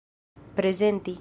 prezenti